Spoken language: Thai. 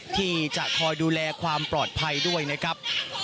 ที่จะคอยดูแลความปลอดภัยด้วยนะครับ